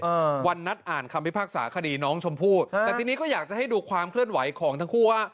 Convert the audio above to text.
วันนัดอ่านคำพิพากษาคดีน้องชมพู่อ่าแต่ทีนี้ก็อยากจะให้ดูความเคลื่อนไหวของทั้งคู่ว่า